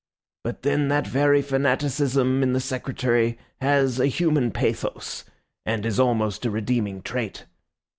But then that very fanaticism in the Secretary has a human pathos, and is almost a redeeming trait.